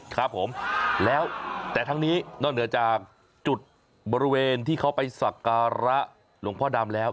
ครับผมแล้วแต่ทั้งนี้นอกเหนือจากจุดบริเวณที่เขาไปสักการะหลวงพ่อดำแล้ว